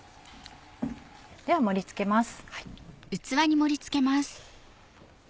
では盛り付けます。